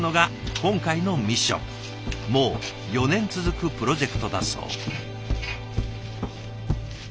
もう４年続くプロジェクトだそう。